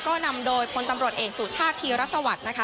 ก็นำโดยพลตำรวจเอกสุชาติธีรสวัสดิ์นะคะ